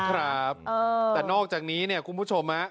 ครับแต่นอกจากนี้เนี่ยคุณผู้ชม